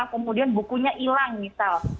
kemudian bukunya hilang misal